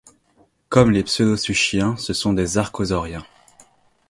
Comme les pseudosuchiens, ce sont des Archosauriens.